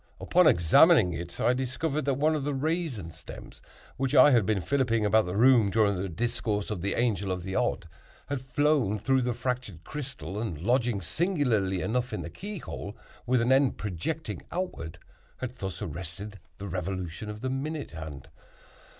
Upon examining it I discovered that one of the raisin stems which I had been filliping about the room during the discourse of the Angel of the Odd, had flown through the fractured crystal, and lodging, singularly enough, in the key hole, with an end projecting outward, had thus arrested the revolution of the minute hand.